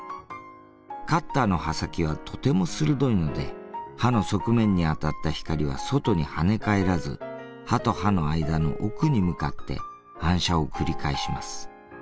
カッターの刃先はとても鋭いので刃の側面に当たった光は外にはね返らず刃と刃の間の奥に向かって反射を繰り返します。